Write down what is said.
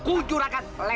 ku juragan lexer